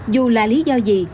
dù là lý do gì